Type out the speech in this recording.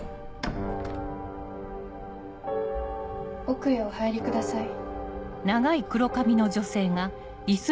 奥へお入りください。